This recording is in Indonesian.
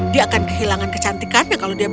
dia akan kehilangan kecantikan